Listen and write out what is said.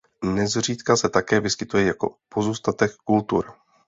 Nezřídka se také vyskytuje jako pozůstatek kultur.